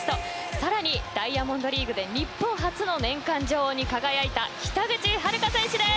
更に、ダイヤモンドリーグで日本初の年間女王に輝いた北口榛花選手です